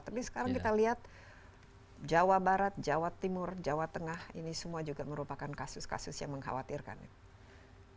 tapi sekarang kita lihat jawa barat jawa timur jawa tengah ini semua juga merupakan kasus kasus yang mengkhawatirkan ya